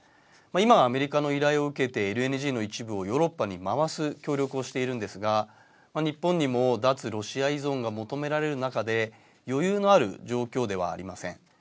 今、アメリカの依頼を受けてＬＮＧの一部をヨーロッパに回す協力をしているんですが日本にも脱ロシア依存が求められる中で余裕のある状況ではありません。